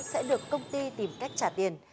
sẽ được công ty tìm cách trả tiền